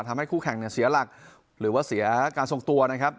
ทำให้คู่แข่งเนี้ยเสียลักษณะหรือว่าเสียการทรงตัวนะครับ